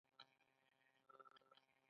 د کیان خپرونه دې له ابوزید سره بنده شي.